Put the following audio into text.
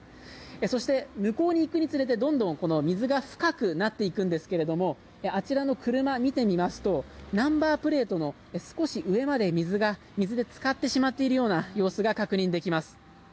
そして、向こうに行くにつれてどんどん水が深くなっていくんですけれどもあちらの車を見てみますとナンバープレートの少し上まで水に浸かってしまっているような様子が確認できます。